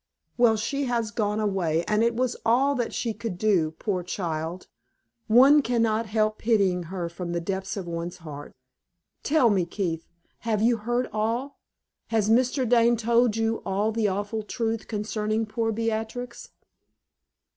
Well, she has gone away, and it was all that she could do, poor child! One can not help pitying her from the depths of one's heart. Tell me, Keith, have you heard all? Has Mr. Dane told you all the awful truth concerning poor Beatrix?"